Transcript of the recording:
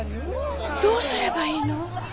どうすればいいの？